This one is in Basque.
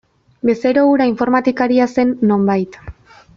Bezero hura informatikaria zen nonbait.